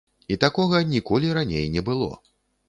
І такога ніколі раней не было.